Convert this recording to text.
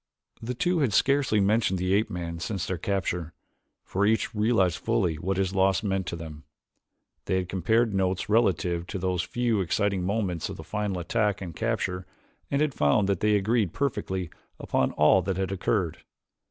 The two had scarcely mentioned the ape man since their capture, for each realized fully what his loss meant to them. They had compared notes relative to those few exciting moments of the final attack and capture and had found that they agreed perfectly upon all that had occurred.